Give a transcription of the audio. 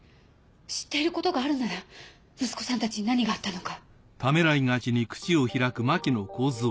知っていることがあるなら息子さんたちに何があったのか。